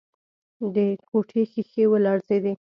د کوټې ښيښې ولړزېدې.